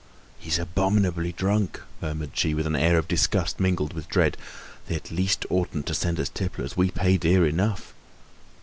"He's abominably drunk," murmured she, with an air of disgust mingled with dread. "They at least oughtn't to send us tipplers. We pay dear enough."